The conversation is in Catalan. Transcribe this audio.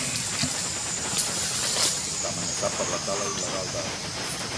Està amenaçat per la tala il·legal d'arbres.